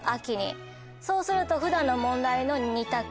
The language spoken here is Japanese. そうすると普段の問題の２択。